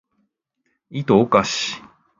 いとをかし